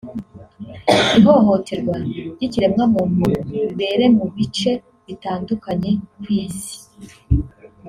ihohoterwa ry’ikiremwamuntu bibere mu bice bitandukanye ku Isi